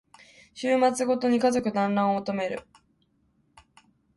週末ごとに家族だんらんを求める